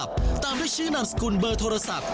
ไปค่ะ